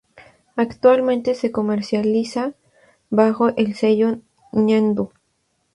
Actualmente se comercializa bajo el sello Ñandú.